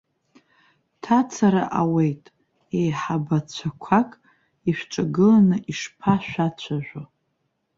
Ҭацара ауеит, еиҳабацәақәак ишәҿагыланы ишԥашәацәажәо.